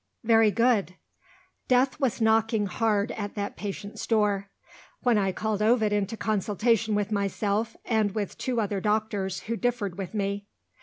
"Very good. Death was knocking hard at that patient's door, when I called Ovid into consultation with myself and with two other doctors who differed with me.